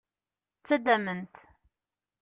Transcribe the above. Ttaddamen-t.